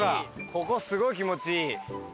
ここすごい気持ちいい！